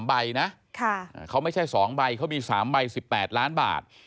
ใบนะเขาไม่ใช่๒ใบเขามี๓ใบ๑๘ล้านบาท